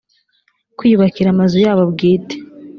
kwiyubakira amazu yabo bwite